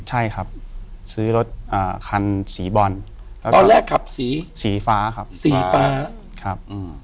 ใช่ครับซื้อรถคันสีบอลตอนแรกขับสีสีฟ้าครับสีฟ้าครับ